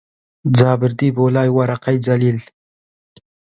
جا بردی بۆلای وەرەقەی جەلیل